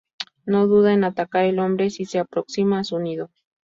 No duda en atacar al hombre si se aproxima a su nido.